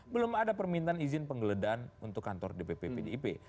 belum ada permintaan izin penggeledahan untuk kantor dpp pdip